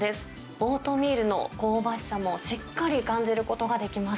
オートミールの香ばしさもしっかり感じることができます。